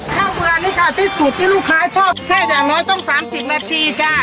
เบื่อนี่ค่ะที่สูตรที่ลูกค้าชอบแช่อย่างน้อยต้อง๓๐นาทีจ้ะ